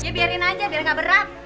ya biarin aja biar ga berat